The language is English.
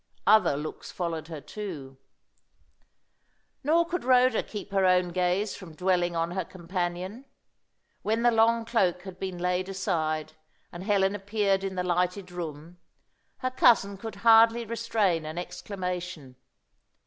Other looks followed her too. Nor could Rhoda keep her own gaze from dwelling on her companion. When the long cloak had been laid aside, and Helen appeared in the lighted room, her cousin could hardly restrain an exclamation.